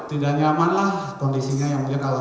tidak nyaman lah kondisinya ya mulia kalau